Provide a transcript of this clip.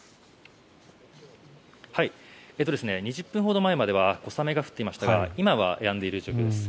２０分ほど前までは小雨が降っていましたが今はやんでいる状況です。